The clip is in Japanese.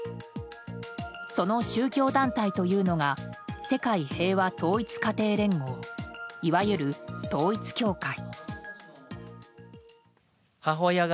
その宗教団体というのが世界平和統一家庭連合いわゆる統一教会。